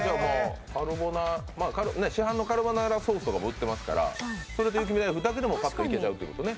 市販のカルボナーラも売ってますからそれと雪見だいふくだけでもパッといけちゃうってことね。